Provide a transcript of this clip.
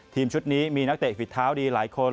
ทีมชุดนี้มีนักเตะฝีเท้าดีหลายคน